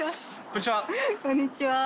こんにちは。